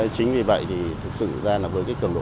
chính vì vậy thì thực sự ra là với cái cường độ